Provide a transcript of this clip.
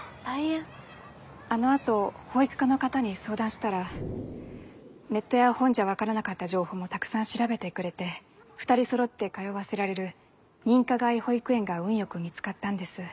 あの後保育課の方に相談したらネットや本じゃ分からなかった情報もたくさん調べてくれて２人そろって通わせられる認可外保育園が運よく見つかったんです。